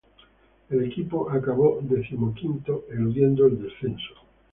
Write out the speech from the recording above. El equipo acabó decimoquinto eludiendo el descenso.